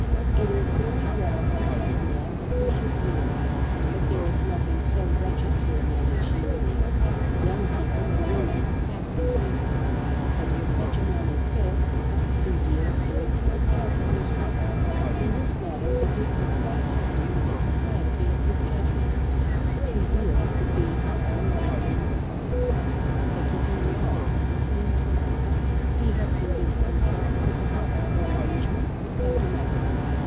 It is very well to tell a man that he should yield, but there is nothing so wretched to a man as yielding. Young people and women have to yield, but for such a man as this, to yield is in itself a misery. In this matter the Duke was quite certain of the propriety of his judgment. To yield would be not only to mortify himself, but to do wrong at the same time. He had convinced himself that the Popplecourt arrangement would come to nothing.